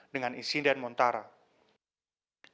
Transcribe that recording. dengan isi dan menurutnya